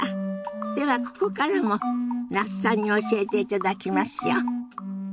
ではここからも那須さんに教えていただきますよ。